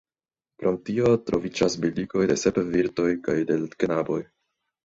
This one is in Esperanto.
Krom tio troviĝas bildigoj de sep virtoj kaj de knaboj.